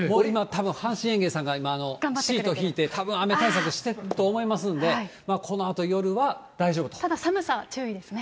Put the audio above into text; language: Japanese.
たぶん今、阪神園芸さんがシートひいて、たぶん雨対策してると思いますんで、ただ、寒さは注意ですね。